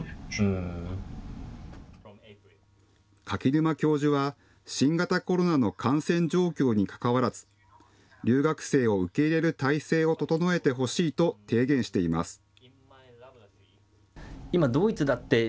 柿沼教授は新型コロナの感染状況にかかわらず留学生を受け入れる体制を整えてほしいと提言しています。